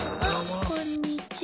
あこんにちは。